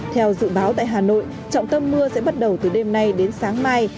theo dự báo tại hà nội trọng tâm mưa sẽ bắt đầu từ đêm nay đến sáng mai